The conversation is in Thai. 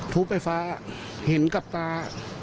ทุบไฟฟ้าเห็นกับตา